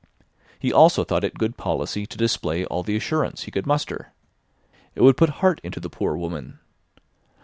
He also thought it good policy to display all the assurance he could muster. It would put heart into the poor woman.